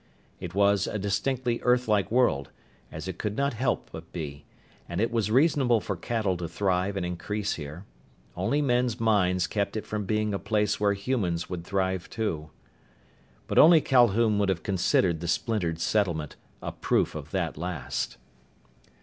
It was a distinctly Earthlike world, as it could not help but be, and it was reasonable for cattle to thrive and increase here. Only men's minds kept it from being a place where humans would thrive, too. But only Calhoun would have considered the splintered settlement a proof of that last.